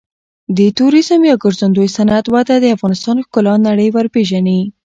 د توریزم یا ګرځندوی صنعت وده د افغانستان ښکلا نړۍ ته ورپیژني.